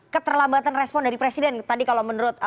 keterlambatan respon dari presiden tadi kalau menurut